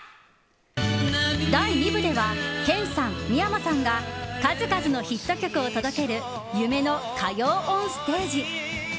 第２部では研さん、三山さんが数々のヒット曲を届ける夢の歌謡オンステージ。